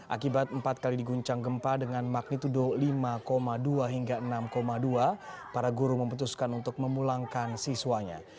akibat empat kali diguncang gempa dengan magnitudo lima dua hingga enam dua para guru memutuskan untuk memulangkan siswanya